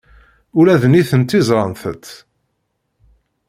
Ula d nitenti ẓrant-tt.